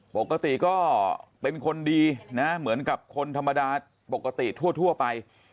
ปกติก็เป็นคนดีนะเหมือนกับคนธรรมดาปกติทั่วไป